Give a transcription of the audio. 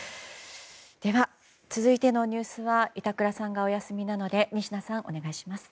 では続いてのニュースは板倉さんがお休みなので仁科さん、お願いします。